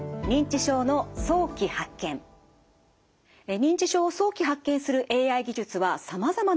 認知症を早期発見するＡＩ技術はさまざまな研究が進んでいます。